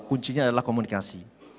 kuncinya adalah komunikasi